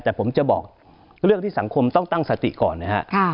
แต่ผมจะบอกเรื่องที่สังคมต้องตั้งสติก่อนนะครับ